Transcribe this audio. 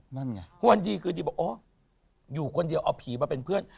วันนี้คืออยู่คนเดียวเอาผีมาเป็นเพื่อน